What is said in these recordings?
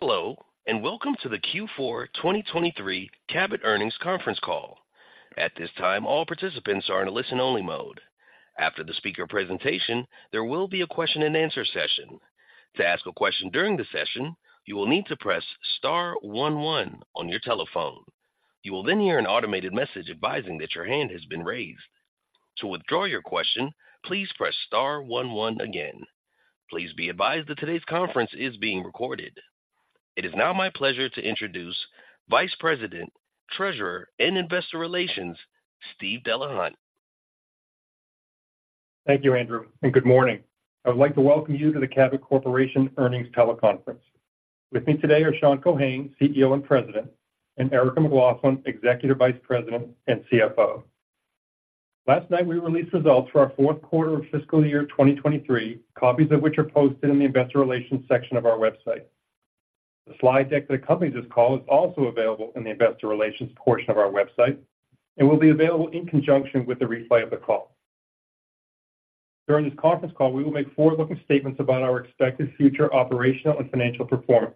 Hello, and welcome to the Q4 2023 Cabot Earnings Conference Call. At this time, all participants are in a listen-only mode. After the speaker presentation, there will be a question-and-answer session. To ask a question during the session, you will need to press star one one on your telephone. You will then hear an automated message advising that your hand has been raised. To withdraw your question, please press star one one again. Please be advised that today's conference is being recorded. It is now my pleasure to introduce Vice President, Treasurer, and Investor Relations, Steve Delahunt. Thank you, Andrew, and good morning. I would like to welcome you to the Cabot Corporation Earnings Teleconference. With me today are Sean Keohane, CEO and President, and Erica McLaughlin, Executive Vice President and CFO. Last night, we released results for our fourth quarter of fiscal year 2023, copies of which are posted in the investor relations section of our website. The slide deck that accompanies this call is also available in the investor relations portion of our website and will be available in conjunction with the replay of the call. During this conference call, we will make forward-looking statements about our expected future operational and financial performance.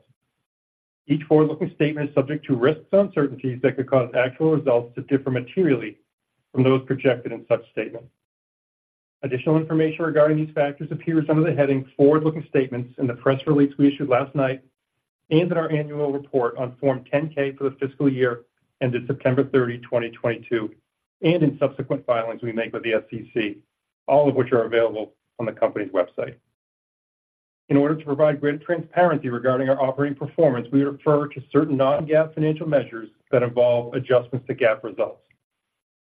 Each forward-looking statement is subject to risks and uncertainties that could cause actual results to differ materially from those projected in such statements. Additional information regarding these factors appears under the heading "Forward-Looking Statements" in the press release we issued last night and in our annual report on Form 10-K for the fiscal year ended September 30, 2022, and in subsequent filings we make with the SEC, all of which are available on the company's website. In order to provide greater transparency regarding our operating performance, we refer to certain non-GAAP financial measures that involve adjustments to GAAP results.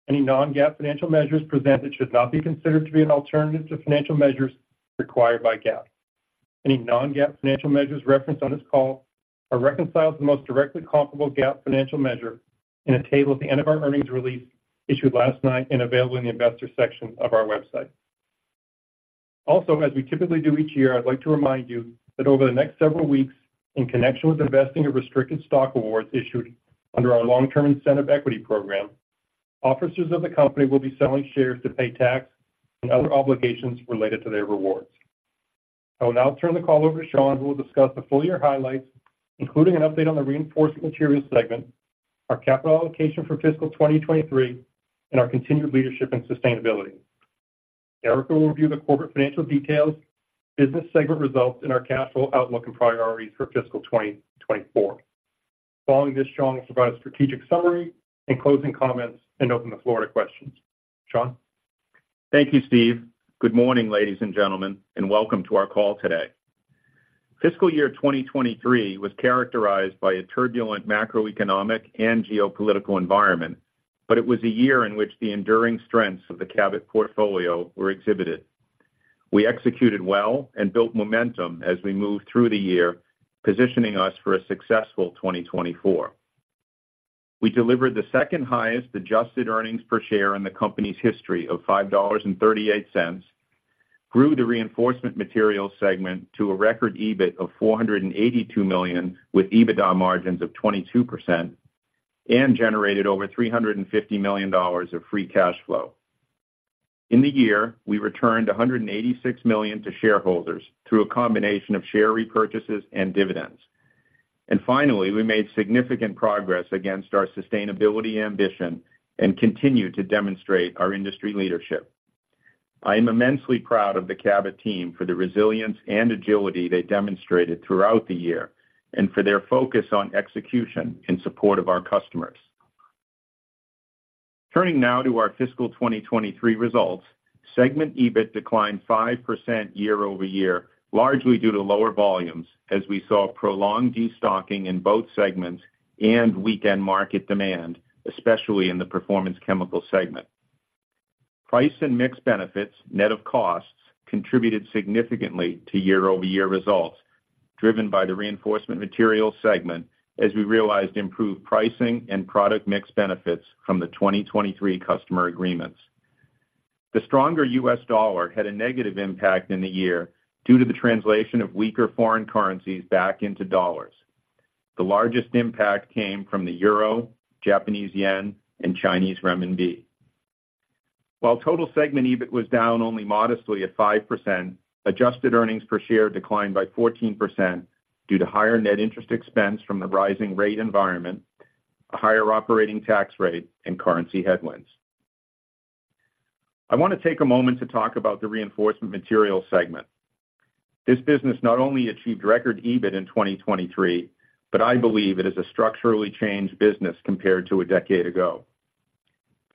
Any non-GAAP financial measures presented should not be considered to be an alternative to financial measures required by GAAP. Any non-GAAP financial measures referenced on this call are reconciled to the most directly comparable GAAP financial measure in a table at the end of our earnings release issued last night and available in the investor section of our website. Also, as we typically do each year, I'd like to remind you that over the next several weeks, in connection with the vesting of restricted stock awards issued under our long-term incentive equity program, officers of the company will be selling shares to pay tax and other obligations related to their rewards. I will now turn the call over to Sean, who will discuss the full year highlights, including an update on the Reinforcement Materials segment, our capital allocation for fiscal 2023, and our continued leadership and sustainability. Erica will review the corporate financial details, business segment results, and our cash flow outlook and priorities for fiscal 2024. Following this, Sean will provide a strategic summary and closing comments and open the floor to questions. Sean? Thank you, Steve. Good morning, ladies and gentlemen, and welcome to our call today. Fiscal year 2023 was characterized by a turbulent macroeconomic and geopolitical environment, but it was a year in which the enduring strengths of the Cabot portfolio were exhibited. We executed well and built momentum as we moved through the year, positioning us for a successful 2024. We delivered the second highest adjusted earnings per share in the company's history of $5.38, grew the reinforcement materials segment to a record EBIT of $482 million, with EBITDA margins of 22%, and generated over $350 million of free cash flow. In the year, we returned $186 million to shareholders through a combination of share repurchases and dividends. Finally, we made significant progress against our sustainability ambition and continued to demonstrate our industry leadership. I am immensely proud of the Cabot team for the resilience and agility they demonstrated throughout the year and for their focus on execution in support of our customers. Turning now to our fiscal 2023 results, segment EBIT declined 5% year-over-year, largely due to lower volumes, as we saw prolonged destocking in both segments and weakened market demand, especially in the Performance Chemicals segment. Price and mix benefits, net of costs, contributed significantly to year-over-year results, driven by the Reinforcement Materials segment as we realized improved pricing and product mix benefits from the 2023 customer agreements. The stronger U.S. dollar had a negative impact in the year due to the translation of weaker foreign currencies back into dollars. The largest impact came from the euro, Japanese yen, and Chinese renminbi. While total segment EBIT was down only modestly at 5%, adjusted earnings per share declined by 14% due to higher net interest expense from the rising rate environment, a higher operating tax rate, and currency headwinds. I want to take a moment to talk about the Reinforcement Materials segment. This business not only achieved record EBIT in 2023, but I believe it is a structurally changed business compared to a decade ago.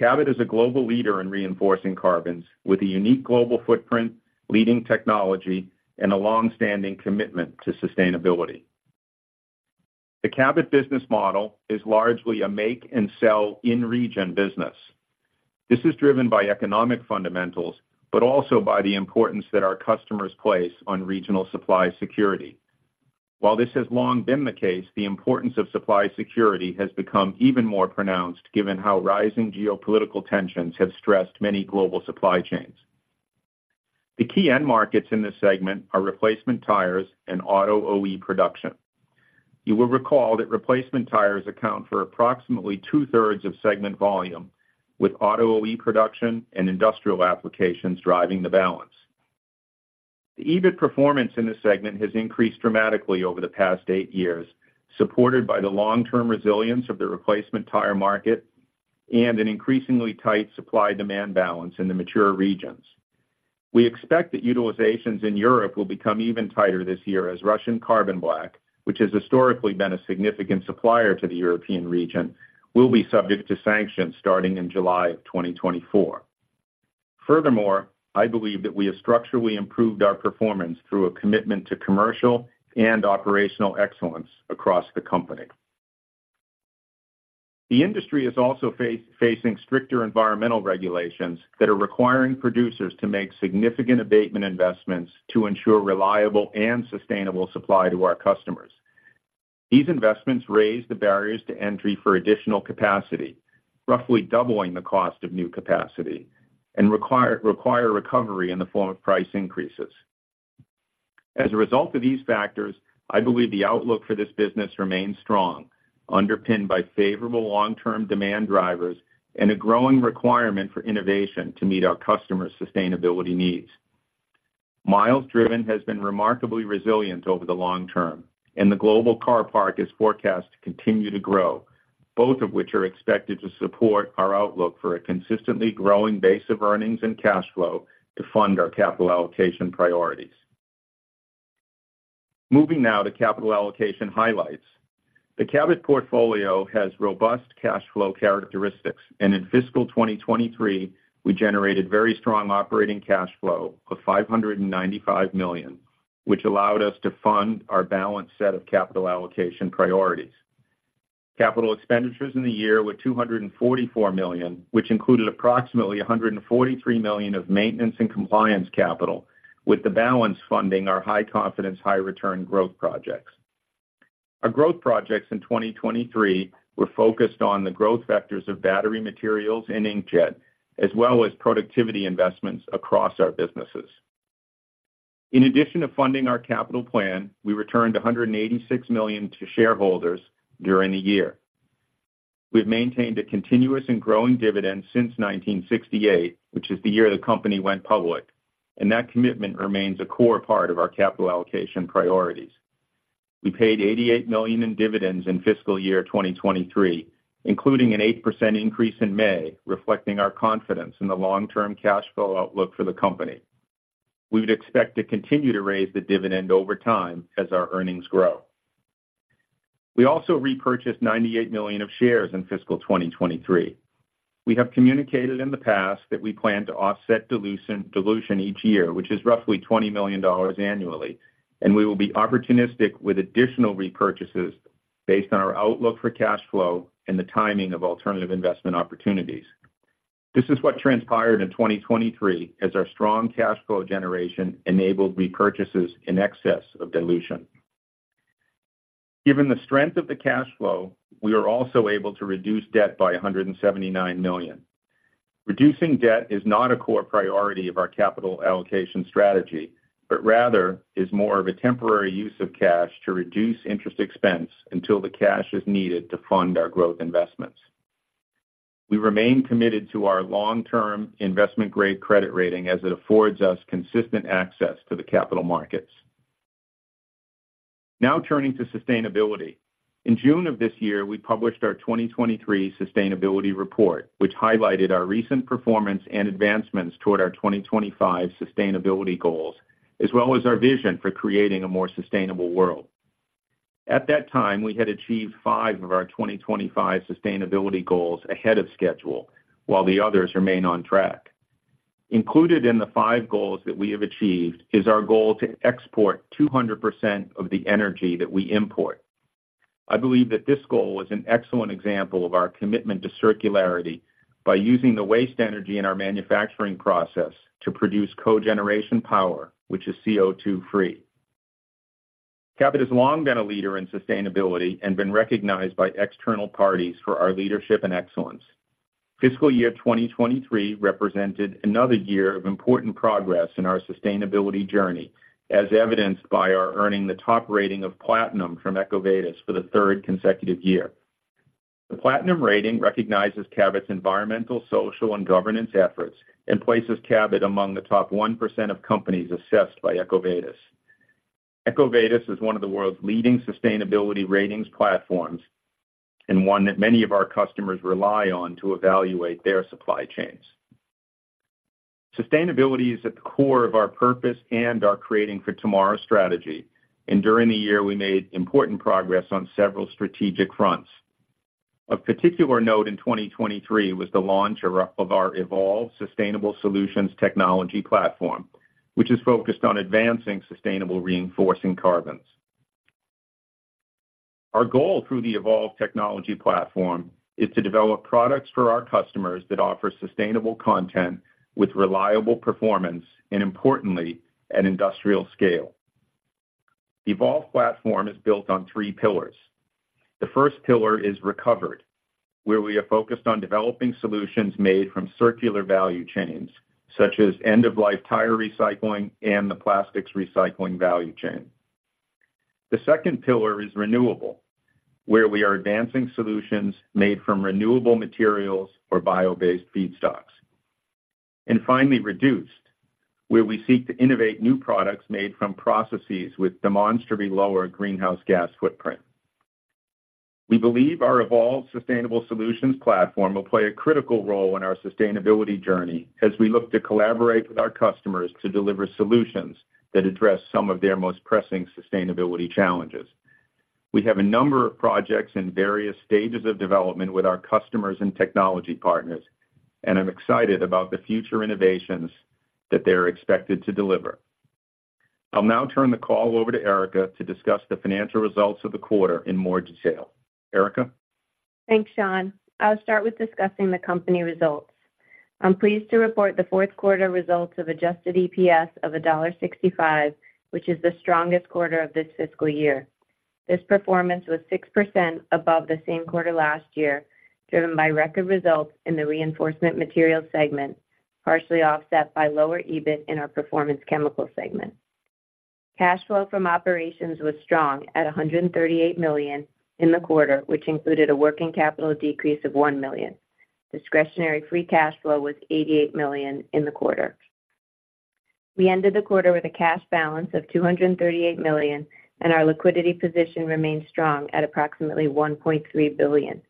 Cabot is a global leader in reinforcing carbons with a unique global footprint, leading technology, and a long-standing commitment to sustainability. The Cabot business model is largely a make and sell in-region business. This is driven by economic fundamentals, but also by the importance that our customers place on regional supply security. While this has long been the case, the importance of supply security has become even more pronounced, given how rising geopolitical tensions have stressed many global supply chains. The key end markets in this segment are replacement tires and auto OE production. You will recall that replacement tires account for approximately two-thirds of segment volume, with auto OE production and industrial applications driving the balance. The EBIT performance in this segment has increased dramatically over the past 8 years, supported by the long-term resilience of the replacement tire market and an increasingly tight supply-demand balance in the mature regions. We expect that utilizations in Europe will become even tighter this year as Russian carbon black, which has historically been a significant supplier to the European region, will be subject to sanctions starting in July 2024. Furthermore, I believe that we have structurally improved our performance through a commitment to commercial and operational excellence across the company. The industry is also facing stricter environmental regulations that are requiring producers to make significant abatement investments to ensure reliable and sustainable supply to our customers. These investments raise the barriers to entry for additional capacity, roughly doubling the cost of new capacity, and require recovery in the form of price increases. As a result of these factors, I believe the outlook for this business remains strong, underpinned by favorable long-term demand drivers and a growing requirement for innovation to meet our customers' sustainability needs. Miles driven has been remarkably resilient over the long term, and the global car park is forecast to continue to grow, both of which are expected to support our outlook for a consistently growing base of earnings and cash flow to fund our capital allocation priorities. Moving now to capital allocation highlights. The Cabot portfolio has robust cash flow characteristics, and in fiscal 2023, we generated very strong operating cash flow of $595 million, which allowed us to fund our balanced set of capital allocation priorities. Capital expenditures in the year were $244 million, which included approximately $143 million of maintenance and compliance capital, with the balance funding our high confidence, high return growth projects. Our growth projects in 2023 were focused on the growth vectors of battery materials and Inkjet, as well as productivity investments across our businesses. In addition to funding our capital plan, we returned $186 million to shareholders during the year. We've maintained a continuous and growing dividend since 1968, which is the year the company went public, and that commitment remains a core part of our capital allocation priorities. We paid $88 million in dividends in fiscal year 2023, including an 8% increase in May, reflecting our confidence in the long-term cash flow outlook for the company. We would expect to continue to raise the dividend over time as our earnings grow. We also repurchased $98 million of shares in fiscal year 2023. We have communicated in the past that we plan to offset dilution each year, which is roughly $20 million annually, and we will be opportunistic with additional repurchases based on our outlook for cash flow and the timing of alternative investment opportunities. This is what transpired in 2023, as our strong cash flow generation enabled repurchases in excess of dilution. Given the strength of the cash flow, we are also able to reduce debt by $179 million. Reducing debt is not a core priority of our capital allocation strategy, but rather is more of a temporary use of cash to reduce interest expense until the cash is needed to fund our growth investments. We remain committed to our long-term investment-grade credit rating as it affords us consistent access to the capital markets. Now, turning to sustainability. In June of this year, we published our 2023 sustainability report, which highlighted our recent performance and advancements toward our 2025 sustainability goals, as well as our vision for creating a more sustainable world. At that time, we had achieved five of our 2025 sustainability goals ahead of schedule, while the others remain on track. Included in the five goals that we have achieved is our goal to export 200% of the energy that we import. I believe that this goal is an excellent example of our commitment to circularity by using the waste energy in our manufacturing process to produce cogeneration power, which is CO₂ free. Cabot has long been a leader in sustainability and been recognized by external parties for our leadership and excellence. Fiscal year 2023 represented another year of important progress in our sustainability journey, as evidenced by our earning the top rating of Platinum from EcoVadis for the third consecutive year. The Platinum rating recognizes Cabot's environmental, social, and governance efforts and places Cabot among the top 1% of companies assessed by EcoVadis. EcoVadis is one of the world's leading sustainability ratings platforms and one that many of our customers rely on to evaluate their supply chains. Sustainability is at the core of our purpose and our Creating for Tomorrow strategy, and during the year, we made important progress on several strategic fronts. Of particular note in 2023 was the launch of our EVOLVE Sustainable Solutions technology platform, which is focused on advancing sustainable reinforcing carbons. Our goal through the EVOLVE technology platform is to develop products for our customers that offer sustainable content with reliable performance, and importantly, at industrial scale. The EVOLVE platform is built on three pillars. The first pillar is recovered, where we are focused on developing solutions made from circular value chains, such as end-of-life tire recycling and the plastics recycling value chain.... The second pillar is renewable, where we are advancing solutions made from renewable materials or bio-based feedstocks. And finally, reduced, where we seek to innovate new products made from processes with demonstrably lower greenhouse gas footprint. We believe our EVOLVE sustainable solutions platform will play a critical role in our sustainability journey as we look to collaborate with our customers to deliver solutions that address some of their most pressing sustainability challenges. We have a number of projects in various stages of development with our customers and technology partners, and I'm excited about the future innovations that they are expected to deliver. I'll now turn the call over to Erica to discuss the financial results of the quarter in more detail. Erica? Thanks, Sean. I'll start with discussing the company results. I'm pleased to report the fourth quarter results of adjusted EPS of $1.65, which is the strongest quarter of this fiscal year. This performance was 6% above the same quarter last year, driven by record results in the Reinforcement Materials segment, partially offset by lower EBIT in our Performance Chemicals segment. Cash flow from operations was strong at $138 million in the quarter, which included a working capital decrease of $1 million. Discretionary free cash flow was $88 million in the quarter. We ended the quarter with a cash balance of $238 million, and our liquidity position remains strong at approximately $1.3 billion.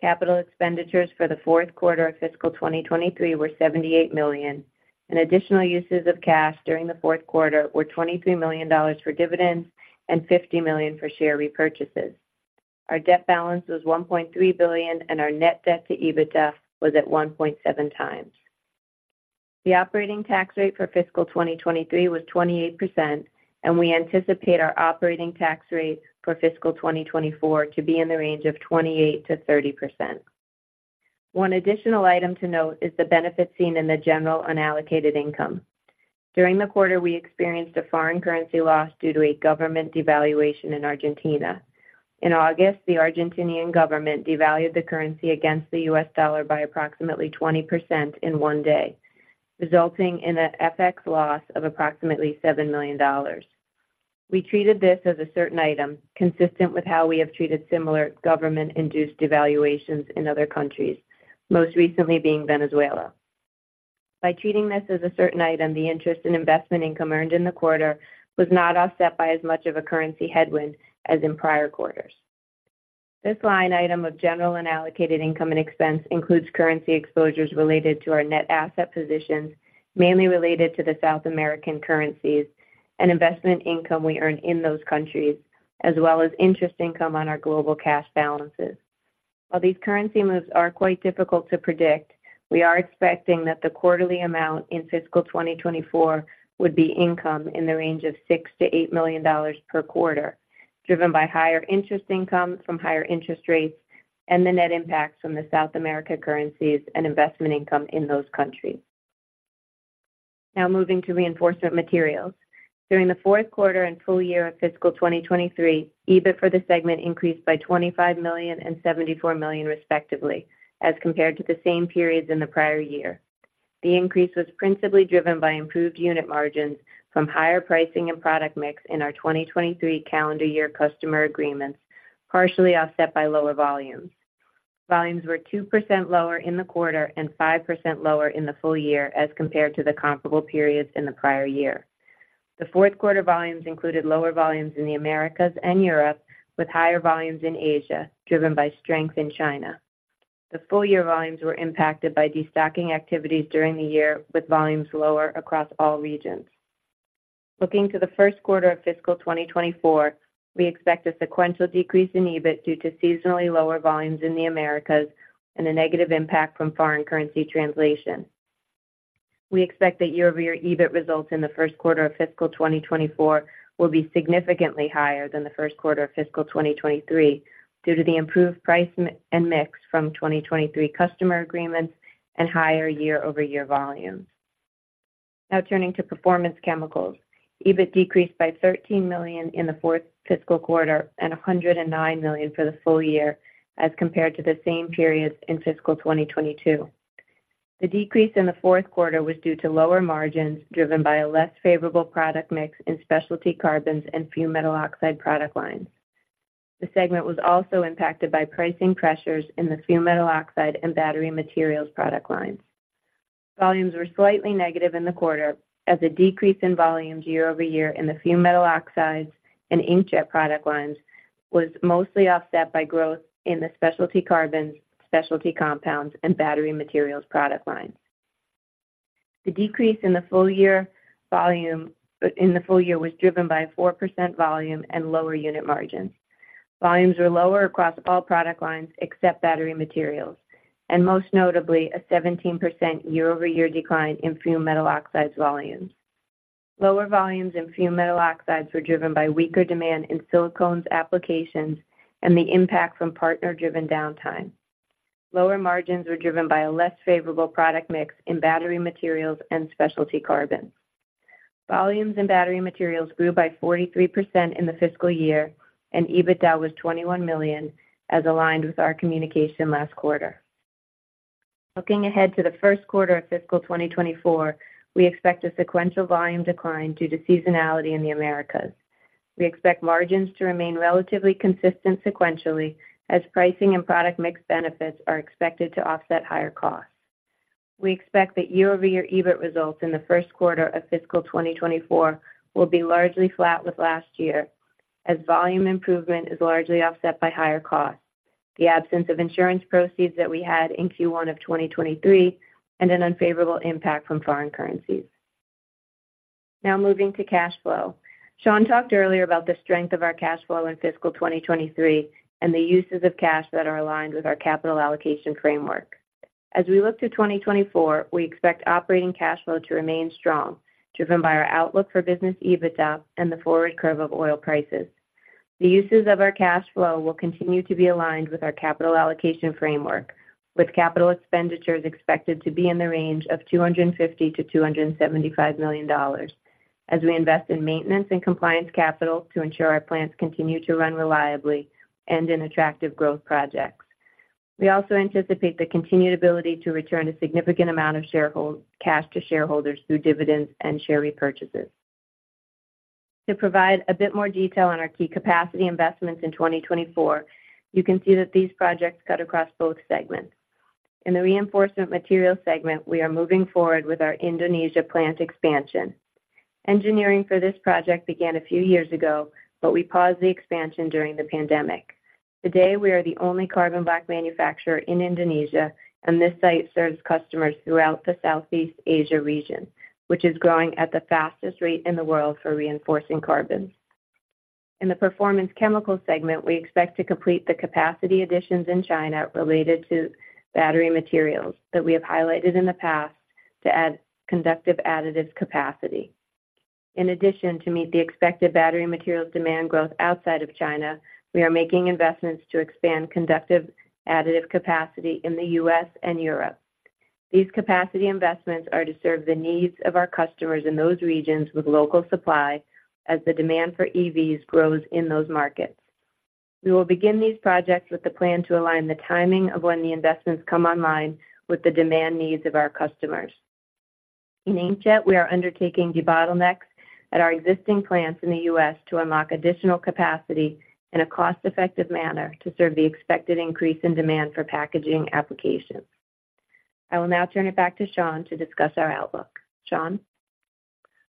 Capital expenditures for the fourth quarter of fiscal 2023 were $78 million, and additional uses of cash during the fourth quarter were $23 million for dividends and $50 million for share repurchases. Our debt balance was $1.3 billion, and our net debt to EBITDA was at 1.7x. The operating tax rate for fiscal 2023 was 28%, and we anticipate our operating tax rate for fiscal 2024 to be in the range of 28%-30%. One additional item to note is the benefit seen in the general unallocated income. During the quarter, we experienced a foreign currency loss due to a government devaluation in Argentina. In August, the Argentine government devalued the currency against the U.S. dollar by approximately 20% in one day, resulting in a FX loss of approximately $7 million. We treated this as a certain item, consistent with how we have treated similar government-induced devaluations in other countries, most recently being Venezuela. By treating this as a certain item, the interest in investment income earned in the quarter was not offset by as much of a currency headwind as in prior quarters. This line item of general unallocated income and expense includes currency exposures related to our net asset positions, mainly related to the South American currencies and investment income we earn in those countries, as well as interest income on our global cash balances. While these currency moves are quite difficult to predict, we are expecting that the quarterly amount in fiscal 2024 would be income in the range of $6 million-$8 million per quarter, driven by higher interest income from higher interest rates and the net impacts from the South America currencies and investment income in those countries. Now moving to Reinforcement Materials. During the fourth quarter and full year of fiscal 2023, EBIT for the segment increased by $25 million and $74 million, respectively, as compared to the same periods in the prior year. The increase was principally driven by improved unit margins from higher pricing and product mix in our 2023 calendar year customer agreements, partially offset by lower volumes. Volumes were 2% lower in the quarter and 5% lower in the full year as compared to the comparable periods in the prior year. The fourth quarter volumes included lower volumes in the Americas and Europe, with higher volumes in Asia, driven by strength in China. The full year volumes were impacted by destocking activities during the year, with volumes lower across all regions. Looking to the first quarter of fiscal 2024, we expect a sequential decrease in EBIT due to seasonally lower volumes in the Americas and a negative impact from foreign currency translation. We expect that year-over-year EBIT results in the first quarter of fiscal 2024 will be significantly higher than the first quarter of fiscal 2023, due to the improved price and mix from 2023 customer agreements and higher year-over-year volumes. Now turning to Performance Chemicals. EBIT decreased by $13 million in the fourth fiscal quarter and $109 million for the full year as compared to the same periods in fiscal 2022. The decrease in the fourth quarter was due to lower margins, driven by a less favorable product mix in Specialty Carbons and Fumed Metal Oxides product lines. The segment was also impacted by pricing pressures in the Fumed Metal Oxides and Battery Materials product lines. Volumes were slightly negative in the quarter as a decrease in volumes year-over-year in the Fumed Metal oxides and inkjet product lines was mostly offset by growth in the Specialty Carbons, Specialty Compounds, and Battery Materials product lines. The decrease in the full year volume - in the full year was driven by a 4% volume and lower unit margins. Volumes were lower across all product lines, except Battery Materials, and most notably, a 17% year-over-year decline in Fumed Metal Oxides volumes. Lower volumes in Fumed Metal Oxides were driven by weaker demand in silicones applications and the impact from partner-driven downtime. Lower margins were driven by a less favorable product mix in Battery Materials and Specialty Carbons. Volumes in Battery Materials grew by 43% in the fiscal year, and EBITDA was $21 million, as aligned with our communication last quarter.... Looking ahead to the first quarter of fiscal 2024, we expect a sequential volume decline due to seasonality in the Americas. We expect margins to remain relatively consistent sequentially, as pricing and product mix benefits are expected to offset higher costs. We expect that year-over-year EBIT results in the first quarter of fiscal 2024 will be largely flat with last year, as volume improvement is largely offset by higher costs, the absence of insurance proceeds that we had in Q1 of 2023, and an unfavorable impact from foreign currencies. Now moving to cash flow. Sean talked earlier about the strength of our cash flow in fiscal 2023 and the uses of cash that are aligned with our capital allocation framework. As we look to 2024, we expect operating cash flow to remain strong, driven by our outlook for business EBITDA and the forward curve of oil prices. The uses of our cash flow will continue to be aligned with our capital allocation framework, with capital expenditures expected to be in the range of $250 million-$275 million as we invest in maintenance and compliance capital to ensure our plants continue to run reliably and in attractive growth projects. We also anticipate the continued ability to return a significant amount of shareholder cash to shareholders through dividends and share repurchases. To provide a bit more detail on our key capacity investments in 2024, you can see that these projects cut across both segments. In the Reinforcement Materials segment, we are moving forward with our Indonesia plant expansion. Engineering for this project began a few years ago, but we paused the expansion during the pandemic. Today, we are the only carbon black manufacturer in Indonesia, and this site serves customers throughout the Southeast Asia region, which is growing at the fastest rate in the world for reinforcing carbons. In the Performance Chemicals segment, we expect to complete the capacity additions in China related to battery materials that we have highlighted in the past to add conductive additive capacity. In addition, to meet the expected battery materials demand growth outside of China, we are making investments to expand conductive additive capacity in the U.S. and Europe. These capacity investments are to serve the needs of our customers in those regions with local supply as the demand for EVs grows in those markets. We will begin these projects with the plan to align the timing of when the investments come online with the demand needs of our customers. In Inkjet, we are undertaking debottlenecks at our existing plants in the U.S. to unlock additional capacity in a cost-effective manner to serve the expected increase in demand for packaging applications. I will now turn it back to Sean to discuss our outlook. Sean?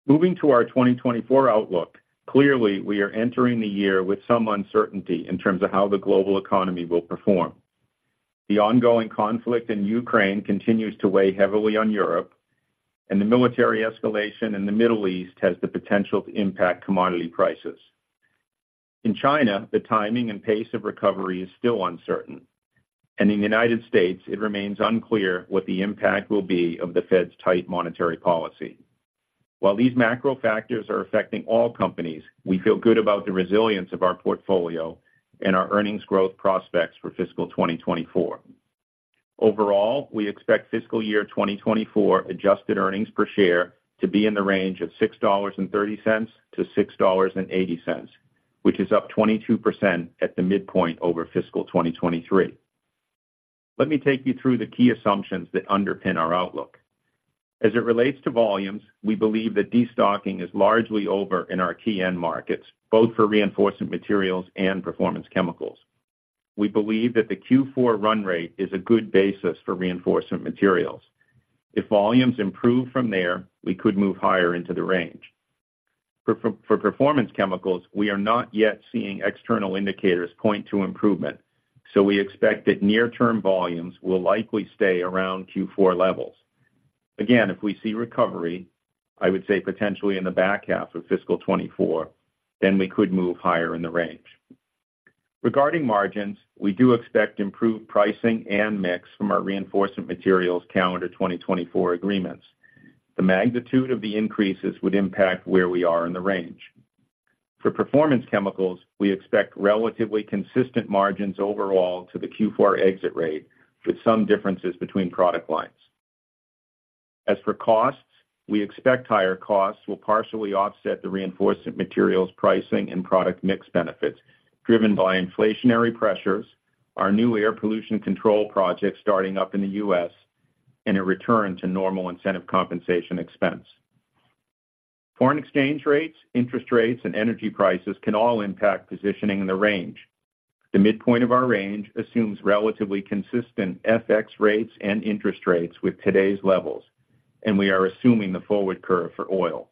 Moving to our 2024 outlook, clearly, we are entering the year with some uncertainty in terms of how the global economy will perform. The ongoing conflict in Ukraine continues to weigh heavily on Europe, and the military escalation in the Middle East has the potential to impact commodity prices. In China, the timing and pace of recovery is still uncertain, and in the United States, it remains unclear what the impact will be of the Fed's tight monetary policy. While these macro factors are affecting all companies, we feel good about the resilience of our portfolio and our earnings growth prospects for fiscal 2024. Overall, we expect fiscal year 2024 adjusted earnings per share to be in the range of $6.30-$6.80, which is up 22% at the midpoint over fiscal 2023. Let me take you through the key assumptions that underpin our outlook. As it relates to volumes, we believe that destocking is largely over in our TN markets, both for Reinforcement Materials and Performance Chemicals. We believe that the Q4 run rate is a good basis for Reinforcement Materials. If volumes improve from there, we could move higher into the range. For Performance Chemicals, we are not yet seeing external indicators point to improvement, so we expect that near-term volumes will likely stay around Q4 levels. Again, if we see recovery, I would say potentially in the back half of fiscal 2024, then we could move higher in the range. Regarding margins, we do expect improved pricing and mix from our Reinforcement Materials calendar 2024 agreements. The magnitude of the increases would impact where we are in the range. For Performance Chemicals, we expect relatively consistent margins overall to the Q4 exit rate, with some differences between product lines. As for costs, we expect higher costs will partially offset the Reinforcement Materials pricing and product mix benefits, driven by inflationary pressures, our new air pollution control project starting up in the U.S., and a return to normal incentive compensation expense. Foreign exchange rates, interest rates, and energy prices can all impact positioning in the range. The midpoint of our range assumes relatively consistent FX rates and interest rates with today's levels, and we are assuming the forward curve for oil.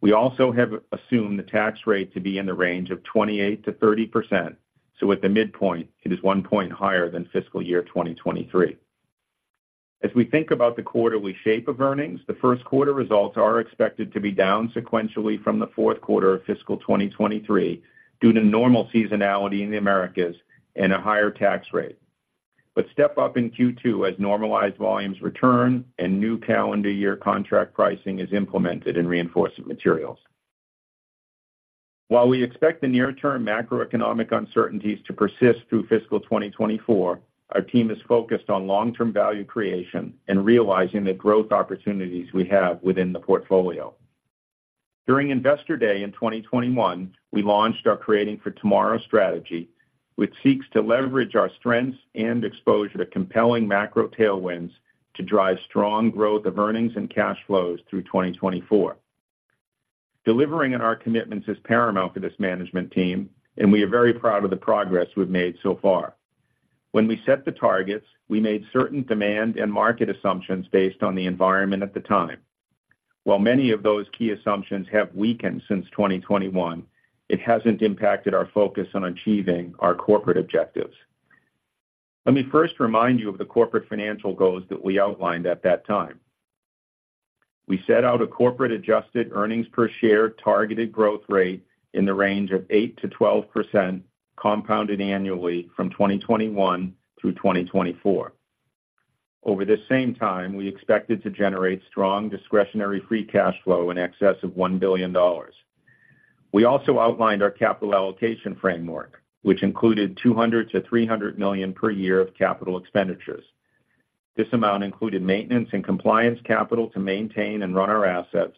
We also have assumed the tax rate to be in the range of 28%-30%, so at the midpoint, it is 1 point higher than fiscal year 2023. As we think about the quarterly shape of earnings, the first quarter results are expected to be down sequentially from the fourth quarter of fiscal 2023 due to normal seasonality in the Americas and a higher tax rate. But step up in Q2 as normalized volumes return and new calendar year contract pricing is implemented in Reinforcement Materials. While we expect the near-term macroeconomic uncertainties to persist through fiscal 2024, our team is focused on long-term value creation and realizing the growth opportunities we have within the portfolio.... During Investor Day in 2021, we launched our Creating for Tomorrow strategy, which seeks to leverage our strengths and exposure to compelling macro tailwinds to drive strong growth of earnings and cash flows through 2024. Delivering on our commitments is paramount for this management team, and we are very proud of the progress we've made so far. When we set the targets, we made certain demand and market assumptions based on the environment at the time. While many of those key assumptions have weakened since 2021, it hasn't impacted our focus on achieving our corporate objectives. Let me first remind you of the corporate financial goals that we outlined at that time. We set out a corporate adjusted earnings per share targeted growth rate in the range of 8%-12%, compounded annually from 2021 through 2024. Over this same time, we expected to generate strong discretionary free cash flow in excess of $1 billion. We also outlined our capital allocation framework, which included $200 million-$300 million per year of capital expenditures. This amount included maintenance and compliance capital to maintain and run our assets,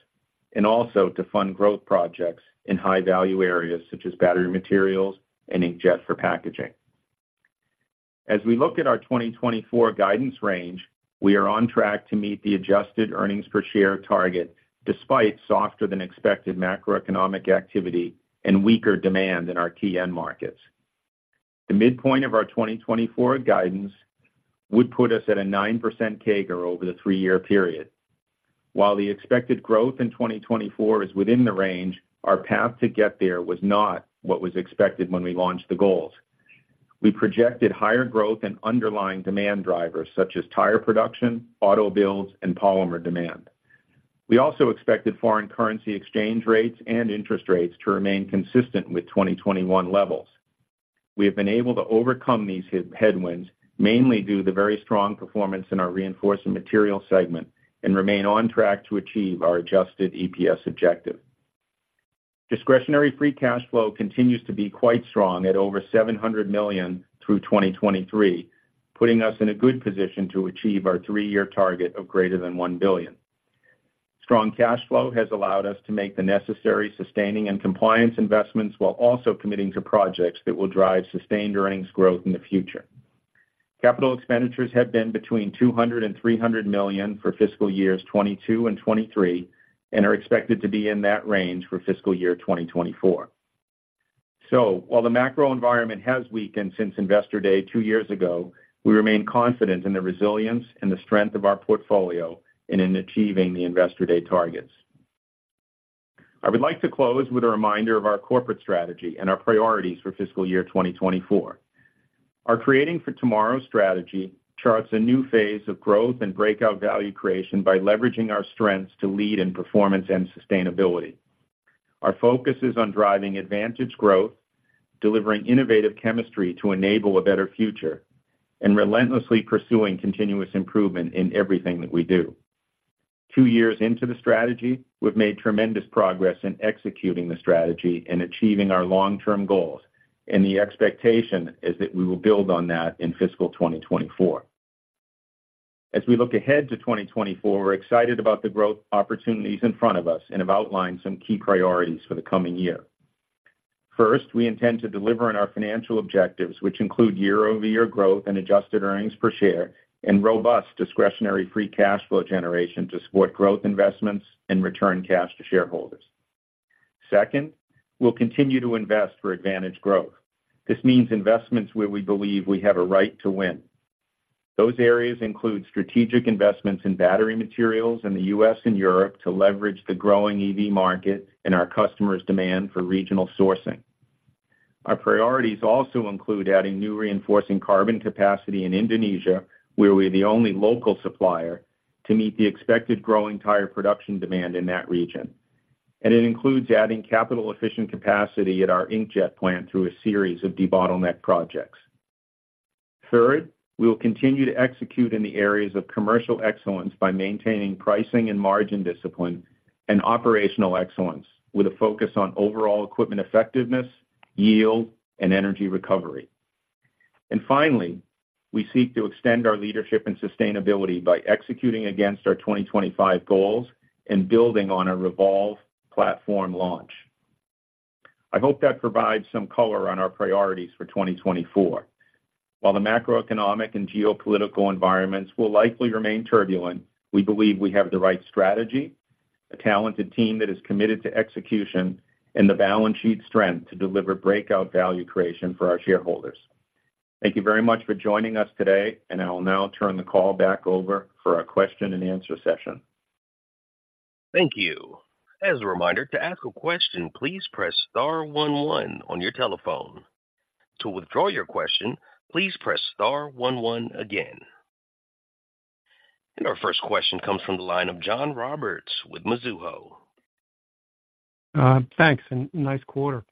and also to fund growth projects in high-value areas such as battery materials and inkjet for packaging. As we look at our 2024 guidance range, we are on track to meet the adjusted earnings per share target, despite softer than expected macroeconomic activity and weaker demand in our TN markets. The midpoint of our 2024 guidance would put us at a 9% CAGR over the three-year period. While the expected growth in 2024 is within the range, our path to get there was not what was expected when we launched the goals. We projected higher growth and underlying demand drivers, such as tire production, auto builds, and polymer demand. We also expected foreign currency exchange rates and interest rates to remain consistent with 2021 levels. We have been able to overcome these headwinds, mainly due to the very strong performance in our reinforcing material segment, and remain on track to achieve our adjusted EPS objective. Discretionary free cash flow continues to be quite strong at over $700 million through 2023, putting us in a good position to achieve our three-year target of greater than $1 billion. Strong cash flow has allowed us to make the necessary sustaining and compliance investments, while also committing to projects that will drive sustained earnings growth in the future. Capital expenditures have been between $200 million and $300 million for fiscal years 2022 and 2023, and are expected to be in that range for fiscal year 2024. So while the macro environment has weakened since Investor Day two years ago, we remain confident in the resilience and the strength of our portfolio and in achieving the Investor Day targets. I would like to close with a reminder of our corporate strategy and our priorities for fiscal year 2024. Our Creating for Tomorrow strategy charts a new phase of growth and breakout value creation by leveraging our strengths to lead in performance and sustainability. Our focus is on driving advantage growth, delivering innovative chemistry to enable a better future, and relentlessly pursuing continuous improvement in everything that we do. Two years into the strategy, we've made tremendous progress in executing the strategy and achieving our long-term goals, and the expectation is that we will build on that in fiscal 2024. As we look ahead to 2024, we're excited about the growth opportunities in front of us and have outlined some key priorities for the coming year. First, we intend to deliver on our financial objectives, which include year-over-year growth and adjusted earnings per share, and robust discretionary free cash flow generation to support growth investments and return cash to shareholders. Second, we'll continue to invest for advantage growth. This means investments where we believe we have a right to win. Those areas include strategic investments in battery materials in the U.S. and Europe to leverage the growing EV market and our customers' demand for regional sourcing. Our priorities also include adding new reinforcing carbon capacity in Indonesia, where we're the only local supplier, to meet the expected growing tire production demand in that region. And it includes adding capital-efficient capacity at our Inkjet plant through a series of debottleneck projects. Third, we will continue to execute in the areas of commercial excellence by maintaining pricing and margin discipline and operational excellence, with a focus on overall equipment effectiveness, yield, and energy recovery. And finally, we seek to extend our leadership and sustainability by executing against our 2025 goals and building on our EVOLVE platform launch. I hope that provides some color on our priorities for 2024. While the macroeconomic and geopolitical environments will likely remain turbulent, we believe we have the right strategy, a talented team that is committed to execution, and the balance sheet strength to deliver breakout value creation for our shareholders. Thank you very much for joining us today, and I will now turn the call back over for our question and answer session. Thank you. As a reminder, to ask a question, please press star one one on your telephone. To withdraw your question, please press star one one again. Our first question comes from the line of John Roberts with Mizuho. Thanks, and nice quarter.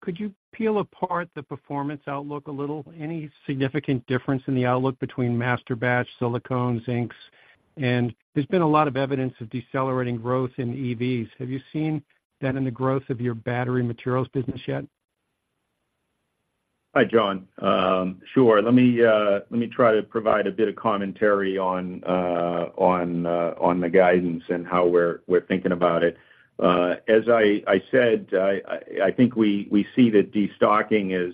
Could you peel apart the performance outlook a little? Any significant difference in the outlook between masterbatch, silicone, inks? And there's been a lot of evidence of decelerating growth in EVs. Have you seen that in the growth of your battery materials business yet?... Hi, John. Sure, let me try to provide a bit of commentary on the guidance and how we're thinking about it. As I said, I think we see that destocking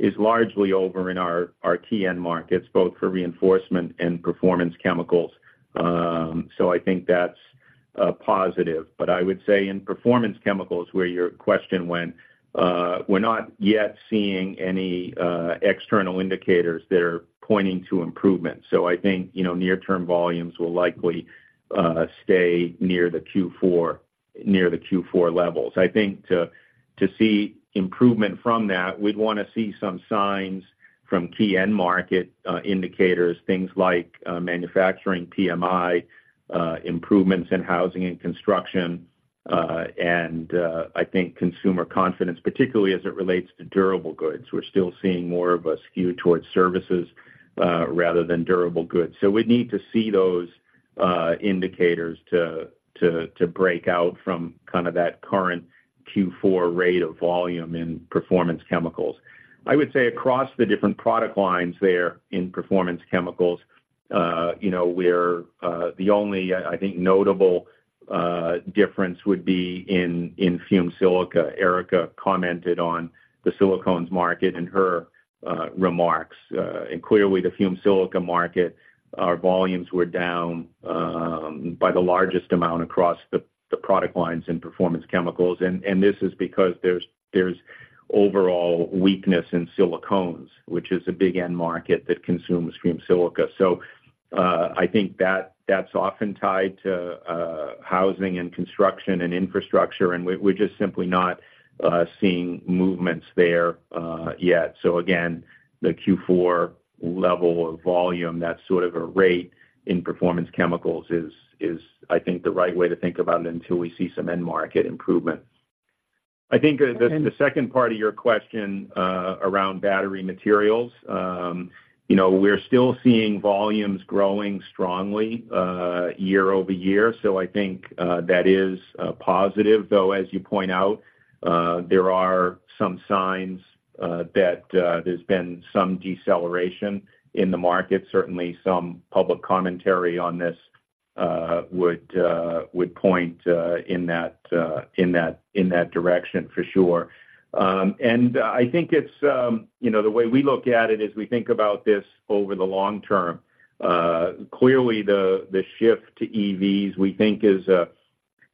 is largely over in our key end markets, both for reinforcement and performance chemicals. So I think that's positive. But I would say in performance chemicals, where your question went, we're not yet seeing any external indicators that are pointing to improvement. So I think, you know, near-term volumes will likely stay near the Q4, near the Q4 levels. I think to see improvement from that, we'd want to see some signs from key end market indicators, things like manufacturing PMI improvements in housing and construction, and I think consumer confidence, particularly as it relates to durable goods. We're still seeing more of a skew towards services rather than durable goods. So we'd need to see those indicators to break out from kind of that current Q4 rate of volume in Performance Chemicals. I would say across the different product lines there in Performance Chemicals, you know, we're the only, I think, notable difference would be in Fumed Silica. Erica commented on the silicones market in her remarks. And clearly, the Fumed Silica market, our volumes were down by the largest amount across the product lines in Performance Chemicals. And this is because there's overall weakness in silicones, which is a big end market that consumes fumed silica. So, I think that's often tied to housing and construction and infrastructure, and we're just simply not seeing movements there yet. So again, the Q4 level of volume, that sort of a rate in performance chemicals is, I think, the right way to think about it until we see some end market improvement. I think the second part of your question around battery materials, you know, we're still seeing volumes growing strongly year-over-year. So I think that is positive, though, as you point out, there are some signs that there's been some deceleration in the market. Certainly, some public commentary on this would point in that direction, for sure. And I think it's you know, the way we look at it is we think about this over the long term. Clearly, the shift to EVs, we think is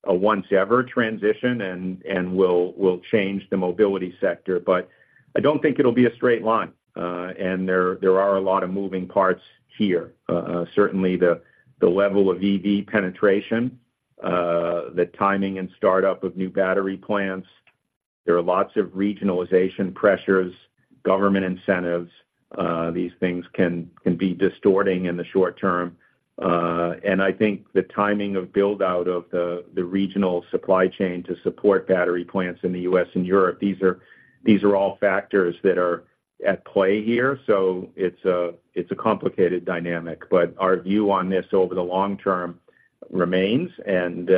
a once ever transition and will change the mobility sector. But I don't think it'll be a straight line and there are a lot of moving parts here. Certainly the level of EV penetration, the timing and startup of new battery plants. There are lots of regionalization pressures, government incentives, these things can be distorting in the short term. I think the timing of the build-out of the regional supply chain to support battery plants in the U.S. and Europe. These are all factors that are at play here. So it's a complicated dynamic, but our view on this over the long term remains, and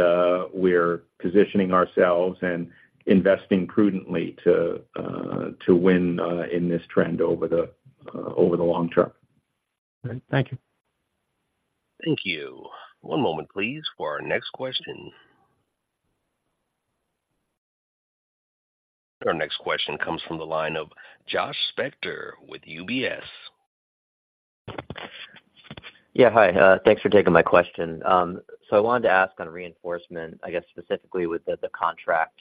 we're positioning ourselves and investing prudently to win in this trend over the long term. All right. Thank you. Thank you. One moment, please, for our next question. Our next question comes from the line of Josh Spector with UBS. Yeah, hi. Thanks for taking my question. So I wanted to ask on reinforcement, I guess, specifically with the, the contract,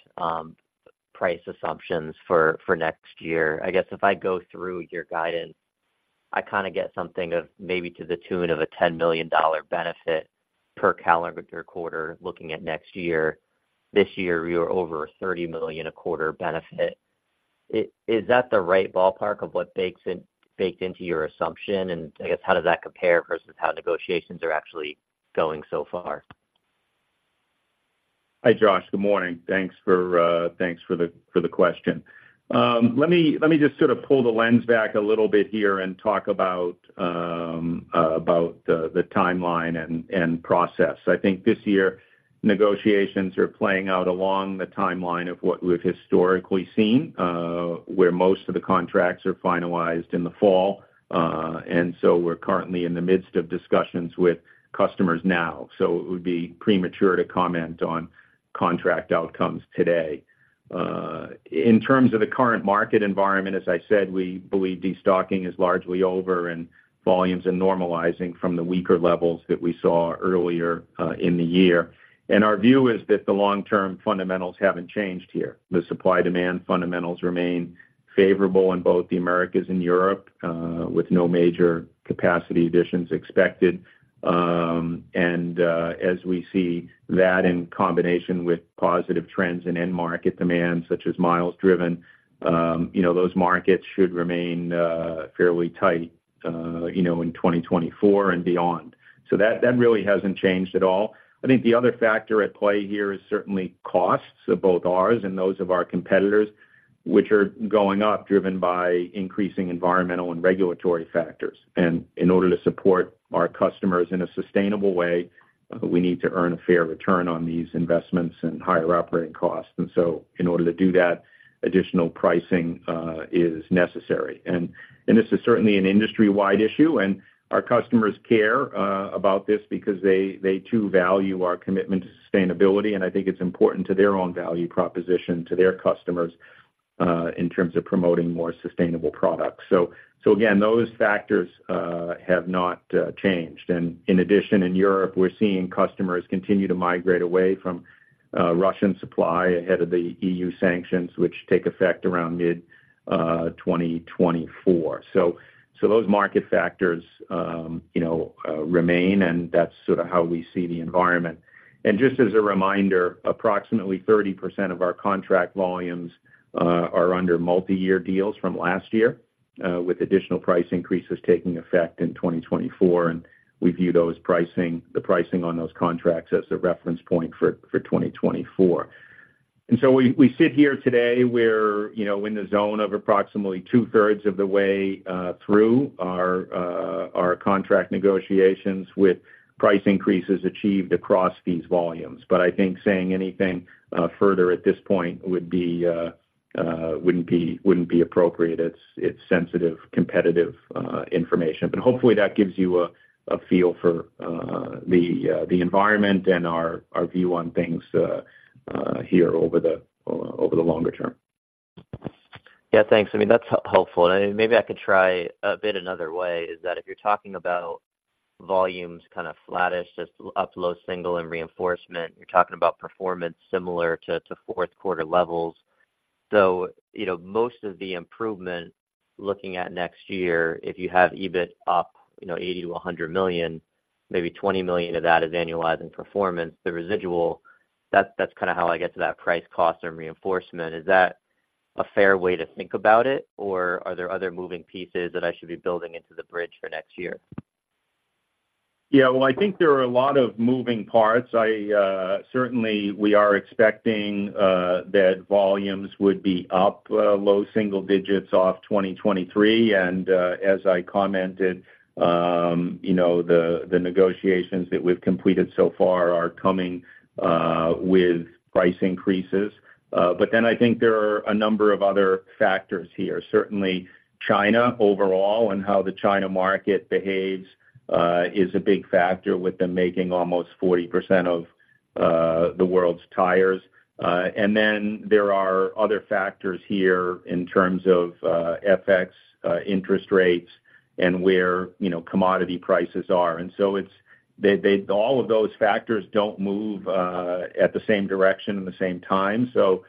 price assumptions for, for next year. I guess if I go through your guidance, I kind of get something of maybe to the tune of a $10 million benefit per calendar quarter, looking at next year. This year, we were over $30 million a quarter benefit. Is, is that the right ballpark of what bakes in, baked into your assumption? And I guess, how does that compare versus how negotiations are actually going so far? Hi, Josh. Good morning. Thanks for the question. Let me just sort of pull the lens back a little bit here and talk about the timeline and process. I think this year, negotiations are playing out along the timeline of what we've historically seen, where most of the contracts are finalized in the fall. And so we're currently in the midst of discussions with customers now, so it would be premature to comment on contract outcomes today. In terms of the current market environment, as I said, we believe destocking is largely over and volumes are normalizing from the weaker levels that we saw earlier in the year. And our view is that the long-term fundamentals haven't changed here. The supply-demand fundamentals remain favorable in both the Americas and Europe, with no major capacity additions expected. As we see that in combination with positive trends in end market demand, such as miles driven, you know, those markets should remain fairly tight, you know, in 2024 and beyond. So that really hasn't changed at all. I think the other factor at play here is certainly costs of both ours and those of our competitors, which are going up, driven by increasing environmental and regulatory factors. And in order to support our customers in a sustainable way, we need to earn a fair return on these investments and higher operating costs. And so in order to do that, additional pricing is necessary. And this is certainly an industry-wide issue, and our customers care about this because they, too, value our commitment to sustainability, and I think it's important to their own value proposition to their customers in terms of promoting more sustainable products. So again, those factors have not changed. And in addition, in Europe, we're seeing customers continue to migrate away from Russian supply ahead of the EU sanctions, which take effect around mid-2024. So those market factors, you know, remain, and that's sort of how we see the environment. And just as a reminder, approximately 30% of our contract volumes are under multiyear deals from last year with additional price increases taking effect in 2024, and we view those pricing, the pricing on those contracts as a reference point for 2024. And so we sit here today, we're, you know, in the zone of approximately two-thirds of the way through our contract negotiations with price increases achieved across these volumes. But I think saying anything further at this point wouldn't be appropriate. It's sensitive, competitive information. But hopefully, that gives you a feel for the environment and our view on things here over the longer term. Yeah, thanks. I mean, that's helpful. And maybe I could try a bit another way, is that if you're talking about volumes kind of flattish, just up low single in reinforcement, you're talking about performance similar to, to fourth quarter levels. So, you know, most of the improvement looking at next year, if you have EBIT up, you know, $80 million-$100 million, maybe $20 million of that is annualizing performance, the residual, that's, that's kind of how I get to that price cost or reinforcement. Is that a fair way to think about it, or are there other moving pieces that I should be building into the bridge for next year? Yeah, well, I think there are a lot of moving parts. I certainly, we are expecting that volumes would be up low single digits off 2023. And as I commented, you know, the negotiations that we've completed so far are coming with price increases. But then I think there are a number of other factors here. Certainly, China overall and how the China market behaves is a big factor, with them making almost 40% of the world's tires. And then there are other factors here in terms of FX, interest rates and where, you know, commodity prices are. And so it's-- they, they... All of those factors don't move at the same direction and the same time. So,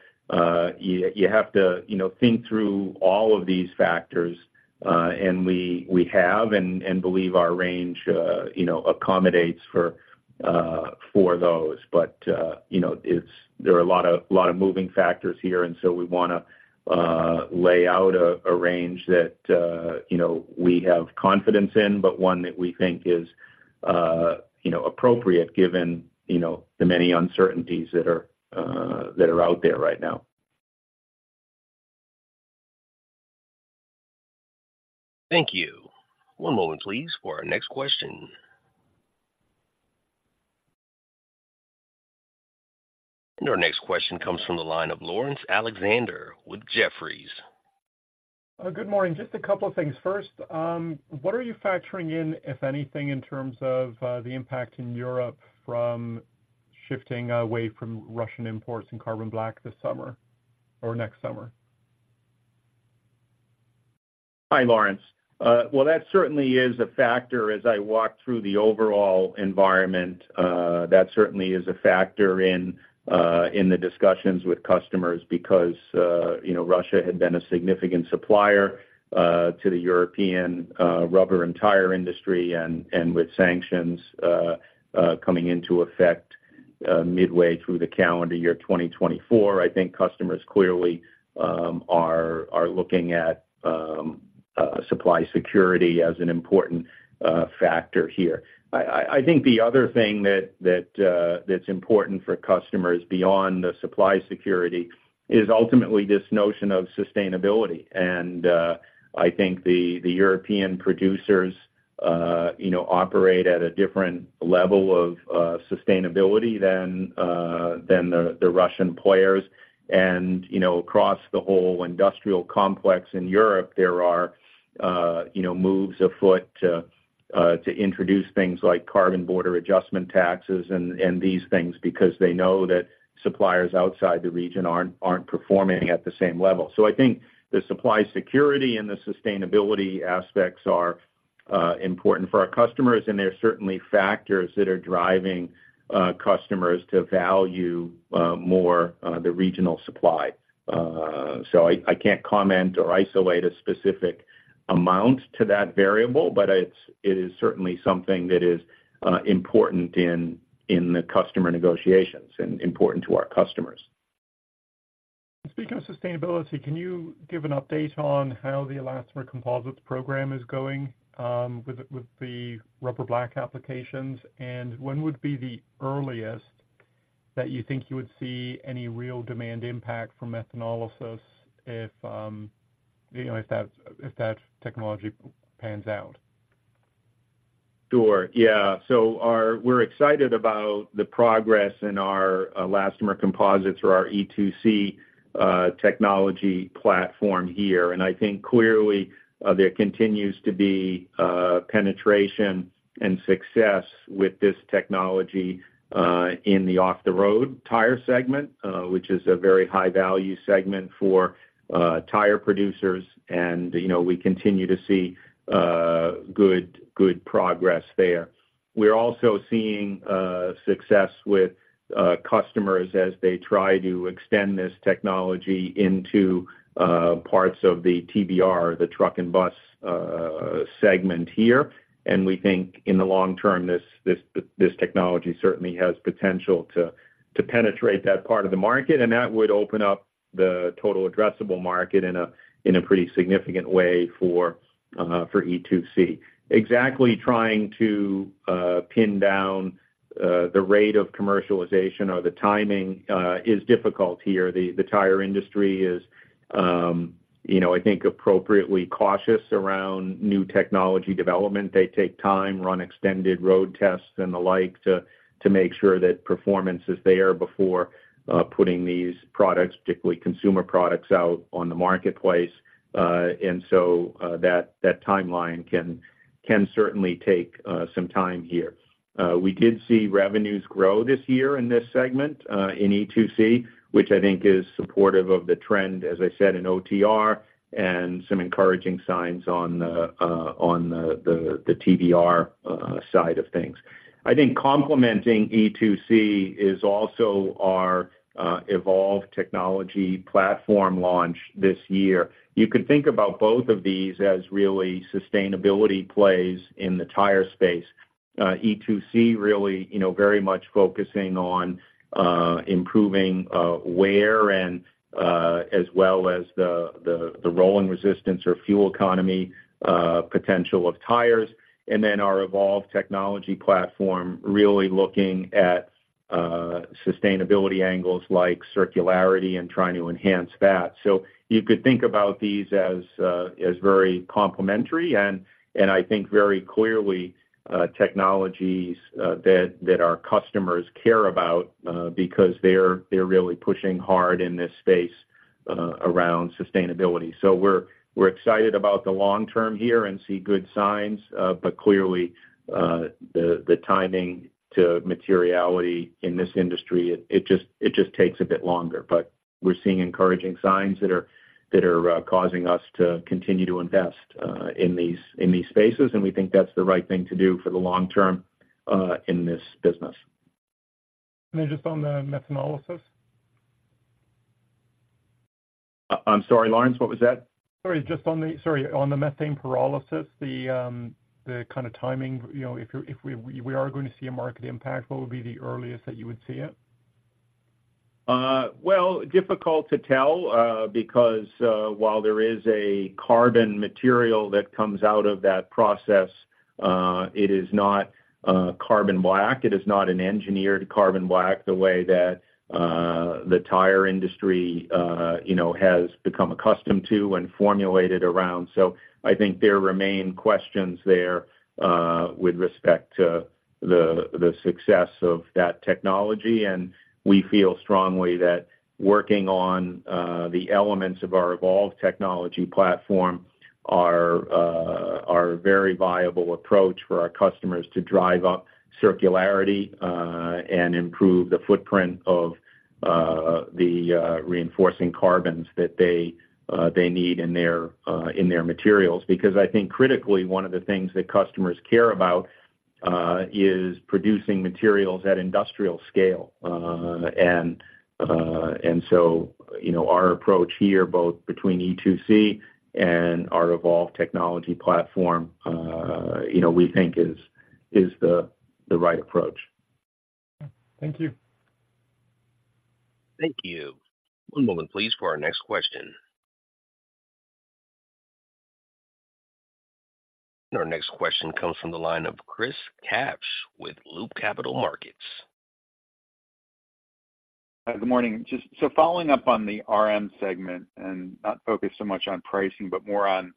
you have to, you know, think through all of these factors, and we have and believe our range, you know, accommodates for those. But, you know, it's. There are a lot of moving factors here, and so we wanna lay out a range that, you know, we have confidence in, but one that we think is, you know, appropriate, given, you know, the many uncertainties that are out there right now. Thank you. One moment, please, for our next question. Our next question comes from the line of Laurence Alexander with Jefferies. Good morning. Just a couple of things. First, what are you factoring in, if anything, in terms of the impact in Europe from shifting away from Russian imports and carbon black this summer or next summer? Hi, Laurence. Well, that certainly is a factor as I walk through the overall environment. That certainly is a factor in the discussions with customers because, you know, Russia had been a significant supplier to the European rubber and tire industry. And with sanctions coming into effect midway through the calendar year 2024, I think customers clearly are looking at supply security as an important factor here. I think the other thing that's important for customers beyond the supply security is ultimately this notion of sustainability. And I think the European producers, you know, operate at a different level of sustainability than the Russian players. You know, across the whole industrial complex in Europe, there are, you know, moves afoot to, to introduce things like carbon border adjustment taxes and, and these things, because they know that suppliers outside the region aren't, aren't performing at the same level. So I think the supply security and the sustainability aspects are, important for our customers, and there are certainly factors that are driving, customers to value, more, the regional supply. So I, I can't comment or isolate a specific amount to that variable, but it's-- it is certainly something that is, important in, in the customer negotiations and important to our customers. Speaking of sustainability, can you give an update on how the elastomer composites program is going with the rubber black applications? And when would be the earliest that you think you would see any real demand impact from methanolysis if you know, if that technology pans out?... Sure. Yeah, so we're excited about the progress in our elastomer composites or our E2C technology platform here. And I think clearly there continues to be penetration and success with this technology in the off-the-road tire segment, which is a very high-value segment for tire producers. And, you know, we continue to see good, good progress there. We're also seeing success with customers as they try to extend this technology into parts of the TBR, the truck and bus segment here. And we think in the long term, this, this, this technology certainly has potential to, to penetrate that part of the market, and that would open up the total addressable market in a, in a pretty significant way for E2C. Exactly trying to pin down the rate of commercialization or the timing is difficult here. The tire industry is, you know, I think appropriately cautious around new technology development. They take time, run extended road tests and the like, to make sure that performance is there before putting these products, particularly consumer products, out on the marketplace. And so that timeline can certainly take some time here. We did see revenues grow this year in this segment in E2C, which I think is supportive of the trend, as I said, in OTR and some encouraging signs on the TBR side of things. I think complementing E2C is also our EVOLVE technology platform launch this year. You could think about both of these as really sustainability plays in the tire space. E2C really, you know, very much focusing on improving wear and as well as the rolling resistance or fuel economy potential of tires. And then our Evolve technology platform, really looking at sustainability angles like circularity and trying to enhance that. So you could think about these as very complementary and I think very clearly technologies that our customers care about because they're really pushing hard in this space around sustainability. So we're excited about the long term here and see good signs, but clearly the timing to materiality in this industry, it just takes a bit longer. But we're seeing encouraging signs that are causing us to continue to invest in these spaces, and we think that's the right thing to do for the long term in this business. Just on the methanolysis? I'm sorry, Laurence, what was that? Sorry, on the methane pyrolysis, the kind of timing. You know, if we are going to see a market impact, what would be the earliest that you would see it? Well, difficult to tell, because while there is a carbon material that comes out of that process, it is not Carbon Black. It is not an engineered Carbon Black, the way that the tire industry, you know, has become accustomed to and formulated around. So I think there remain questions there with respect to the success of that technology. And we feel strongly that working on the elements of our EVOLVE technology platform are a very viable approach for our customers to drive up circularity and improve the footprint of the reinforcing carbons that they need in their materials. Because I think critically, one of the things that customers care about is producing materials at industrial scale. So, you know, our approach here, both between E2C and our Evolve technology platform, you know, we think is the right approach. Thank you. Thank you. One moment, please, for our next question. Our next question comes from the line of Chris Kapsch with Loop Capital Markets. Good morning. Just so following up on the RM segment and not focused so much on pricing, but more on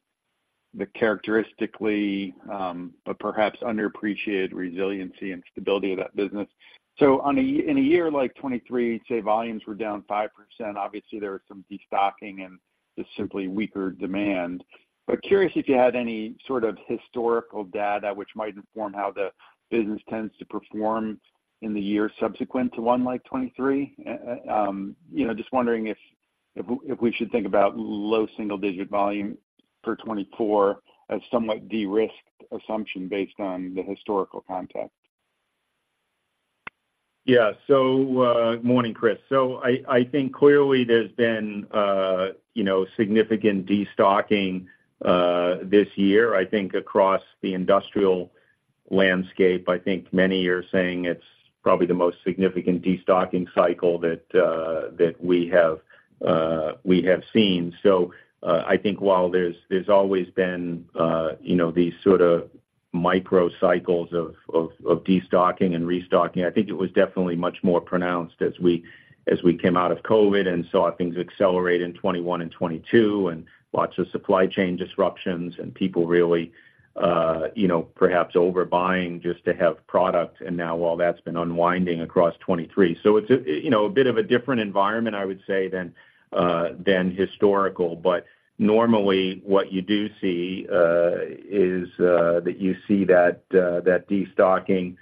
the characteristically, but perhaps underappreciated resiliency and stability of that business. So in a year like 2023, say volumes were down 5%, obviously there are some destocking and just simply weaker demand. But curious if you had any sort of historical data which might inform how the business tends to perform in the year subsequent to one like 2023? You know, just wondering if we should think about low single digit volume for 2024 as somewhat de-risked assumption based on the historical context. Yeah. So, morning, Chris. So I think clearly there's been, you know, significant destocking, this year. I think across the industrial landscape, I think many are saying it's probably the most significant destocking cycle that we have seen. So, I think while there's always been, you know, these sort of micro cycles of destocking and restocking. I think it was definitely much more pronounced as we came out of COVID and saw things accelerate in 2021 and 2022, and lots of supply chain disruptions and people really, you know, perhaps overbuying just to have product, and now all that's been unwinding across 2023. So it's a, you know, a bit of a different environment, I would say, than historical. But normally, what you do see, is, that you see that, that destocking,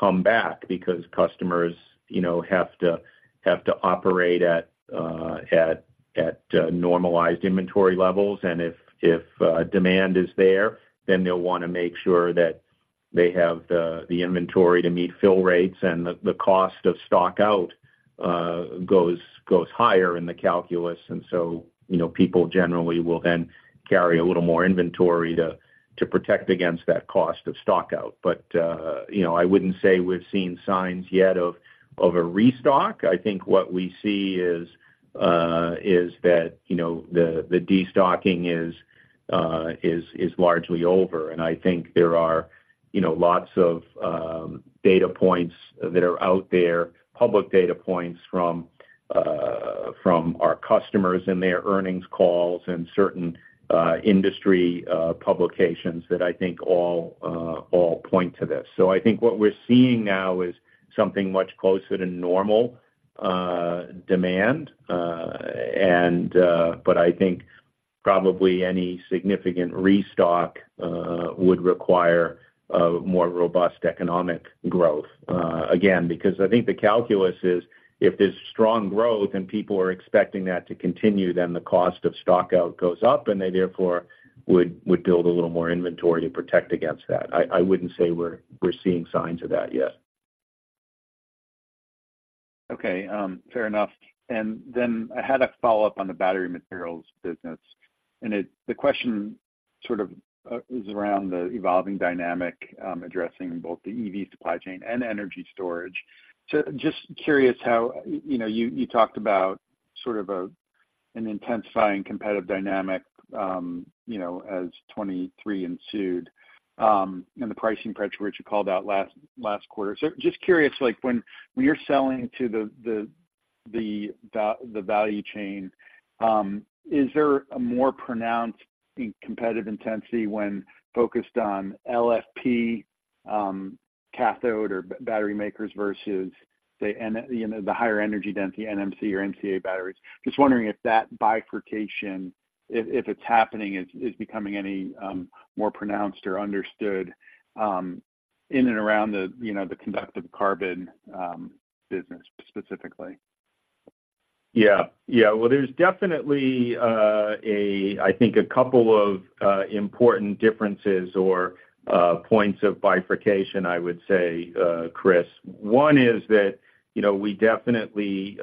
come back because customers, you know, have to, have to operate at, at, normalized inventory levels. And if demand is there, then they'll wanna make sure that they have the, the inventory to meet fill rates, and the, the cost of stockout, goes, goes higher in the calculus. And so, you know, people generally will then carry a little more inventory to, to protect against that cost of stock out. But, you know, I wouldn't say we've seen signs yet of, of a restock. I think what we see is, is that, you know, the, the destocking is, is, largely over. And I think there are, you know, lots of data points that are out there, public data points from our customers in their earnings calls and certain industry publications that I think all point to this. So I think what we're seeing now is something much closer to normal demand, and... But I think probably any significant restock would require a more robust economic growth. Again, because I think the calculus is, if there's strong growth and people are expecting that to continue, then the cost of stockout goes up, and they therefore would build a little more inventory to protect against that. I wouldn't say we're seeing signs of that yet. Okay, fair enough. Then I had a follow-up on the battery materials business, and it, the question sort of is around the evolving dynamic addressing both the EV supply chain and energy storage. So just curious how, you know, you talked about sort of a, an intensifying competitive dynamic, you know, as 2023 ensued, and the pricing pressure which you called out last quarter. So just curious, like, when you're selling to the value chain, is there a more pronounced competitive intensity when focused on LFP cathode or battery makers versus the, you know, the higher energy density NMC or NCA batteries? Just wondering if that bifurcation, if it's happening, is becoming any more pronounced or understood in and around the, you know, the conductive carbon business specifically. Yeah. Yeah. Well, there's definitely a, I think, a couple of important differences or points of bifurcation, I would say, Chris. One is that, you know, we definitely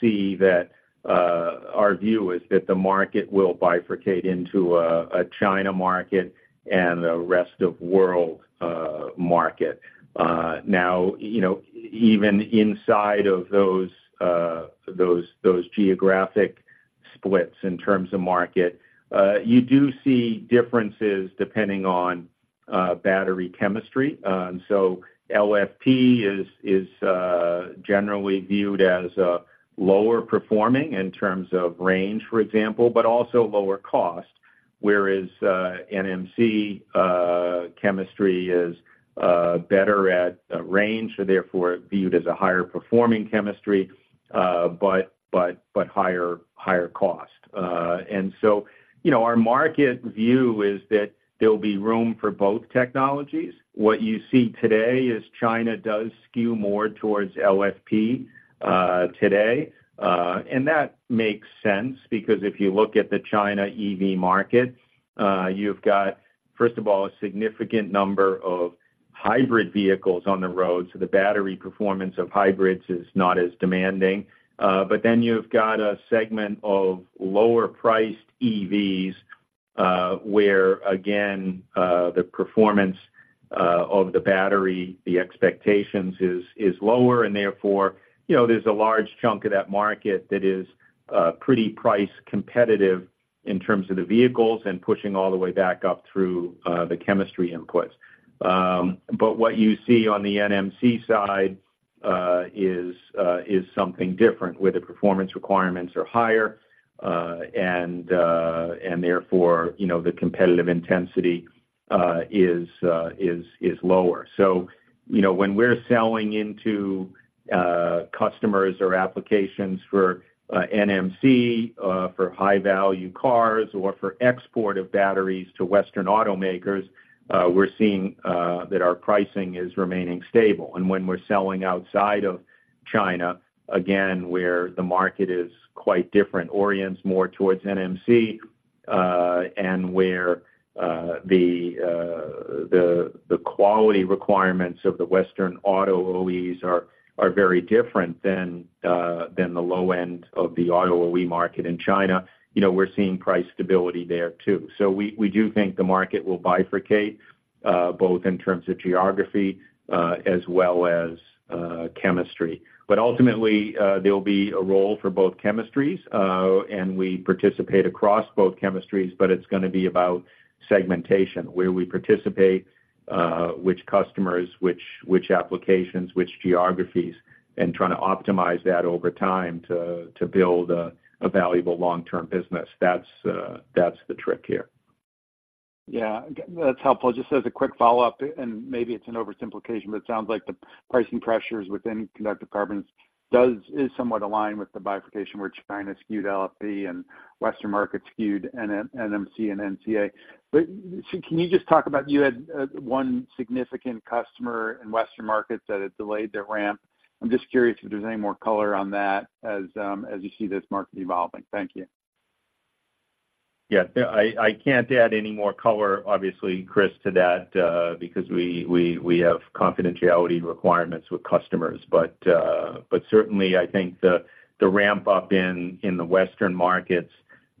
see that our view is that the market will bifurcate into a China market and a rest of world market. Now, you know, even inside of those geographic splits in terms of market, you do see differences depending on battery chemistry. And so LFP is generally viewed as lower performing in terms of range, for example, but also lower cost, whereas NMC chemistry is better at range, so therefore, viewed as a higher performing chemistry, but higher cost. And so, you know, our market view is that there'll be room for both technologies. What you see today is China does skew more towards LFP, today. And that makes sense, because if you look at the China EV market, you've got, first of all, a significant number of hybrid vehicles on the road, so the battery performance of hybrids is not as demanding. But then you've got a segment of lower-priced EVs, where again, the performance, of the battery, the expectations is, is lower, and therefore, you know, there's a large chunk of that market that is, pretty price competitive in terms of the vehicles and pushing all the way back up through, the chemistry inputs. But what you see on the NMC side, is, is something different, where the performance requirements are higher, and, and therefore, you know, the competitive intensity, is, is, is lower. So, you know, when we're selling into customers or applications for NMC for high-value cars or for export of batteries to Western automakers, we're seeing that our pricing is remaining stable. And when we're selling outside of China, again, where the market is quite different, orients more towards NMC, and where the quality requirements of the Western auto OEs are very different than the low end of the auto OE market in China, you know, we're seeing price stability there, too. So we do think the market will bifurcate both in terms of geography as well as chemistry. But ultimately, there'll be a role for both chemistries, and we participate across both chemistries, but it's gonna be about segmentation, where we participate, which customers, which applications, which geographies, and trying to optimize that over time to build a valuable long-term business. That's the trick here.... Yeah, that's helpful. Just as a quick follow-up, and maybe it's an oversimplification, but it sounds like the pricing pressures within conductive carbons is somewhat aligned with the bifurcation, where China skewed LFP and Western market skewed NMC and NCA. But so can you just talk about, you had one significant customer in Western markets that had delayed their ramp? I'm just curious if there's any more color on that as you see this market evolving. Thank you. Yeah. I can't add any more color, obviously, Chris, to that, because we have confidentiality requirements with customers. But certainly, I think the ramp-up in the Western markets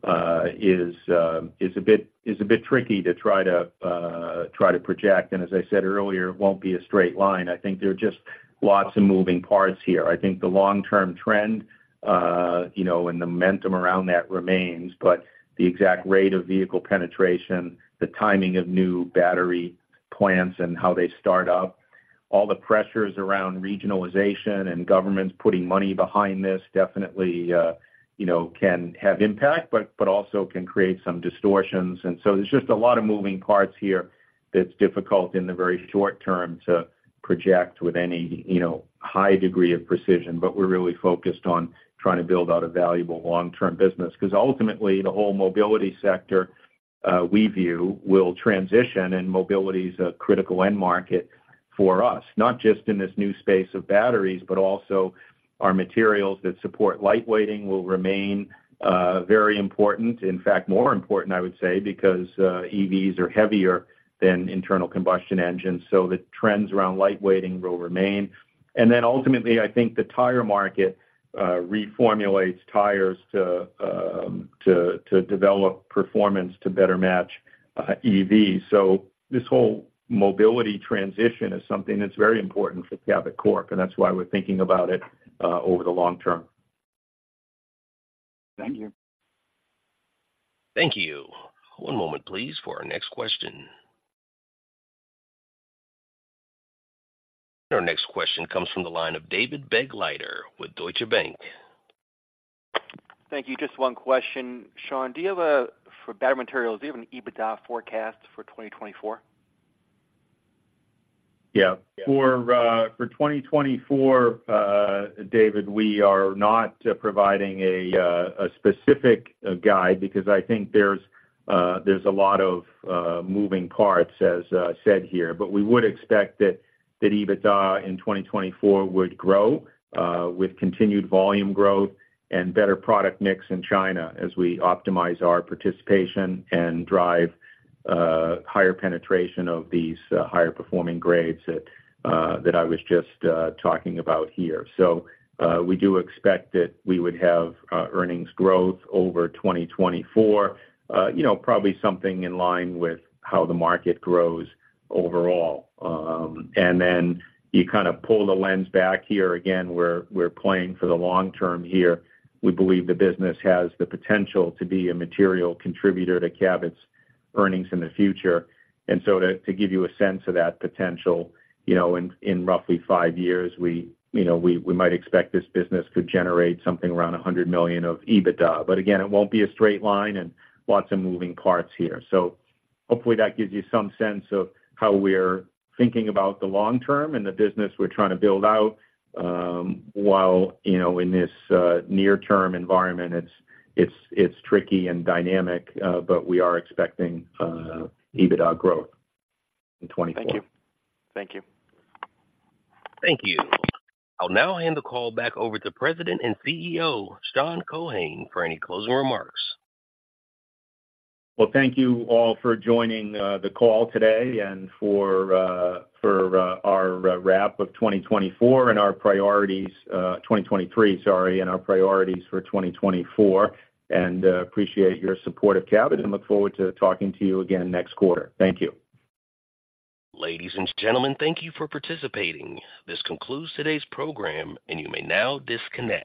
is a bit tricky to try to project. As I said earlier, it won't be a straight line. I think there are just lots of moving parts here. I think the long-term trend, you know, and the momentum around that remains, but the exact rate of vehicle penetration, the timing of new battery plants and how they start up, all the pressures around regionalization and governments putting money behind this definitely, you know, can have impact, but also can create some distortions. And so there's just a lot of moving parts here that's difficult in the very short term to project with any, you know, high degree of precision. But we're really focused on trying to build out a valuable long-term business. Because ultimately, the whole mobility sector, we view, will transition, and mobility is a critical end market for us, not just in this new space of batteries, but also our materials that support lightweighting will remain very important. In fact, more important, I would say, because EVs are heavier than internal combustion engines, so the trends around lightweighting will remain. And then ultimately, I think the tire market reformulates tires to develop performance to better match EVs. So this whole mobility transition is something that's very important for Cabot Corp, and that's why we're thinking about it over the long term. Thank you. Thank you. One moment, please, for our next question. Our next question comes from the line of David Begleiter with Deutsche Bank. Thank you. Just one question. Sean, do you have a… For battery materials, do you have an EBITDA forecast for 2024? Yeah. For 2024, David, we are not providing a specific guide because I think there's a lot of moving parts, as said here. But we would expect that EBITDA in 2024 would grow with continued volume growth and better product mix in China as we optimize our participation and drive higher penetration of these higher performing grades that I was just talking about here. So, we do expect that we would have earnings growth over 2024, you know, probably something in line with how the market grows overall. And then you kind of pull the lens back here again, we're playing for the long term here. We believe the business has the potential to be a material contributor to Cabot's earnings in the future. And so to give you a sense of that potential, you know, in roughly 5 years, you know, we might expect this business to generate something around $100 million of EBITDA. But again, it won't be a straight line and lots of moving parts here. So hopefully that gives you some sense of how we're thinking about the long term and the business we're trying to build out, while, you know, in this near-term environment, it's tricky and dynamic, but we are expecting EBITDA growth in 2024. Thank you. Thank you. Thank you. I'll now hand the call back over to President and CEO, Sean Keohane, for any closing remarks. Well, thank you all for joining the call today and for our wrap of 2024 and our priorities, 2023, sorry, and our priorities for 2024. Appreciate your support of Cabot, and look forward to talking to you again next quarter. Thank you. Ladies and gentlemen, thank you for participating. This concludes today's program, and you may now disconnect.